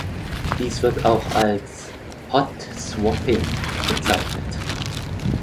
Dies wird auch als "Hot-Swapping" bezeichnet.